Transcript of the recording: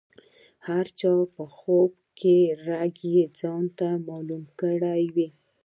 هر چا د خوب رګ یې ځانته معلوم کړی وي.